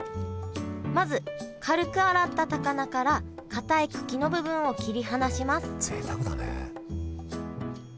まず軽く洗った高菜からかたい茎の部分を切り離しますぜいたくだね。